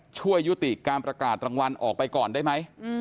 ช่วยยุติการประกาศรางวัลออกไปก่อนได้ไหม